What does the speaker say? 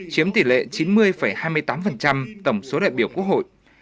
chiếm tỷ lệ chín mươi hai mươi tám tổng số đại biểu quốc hội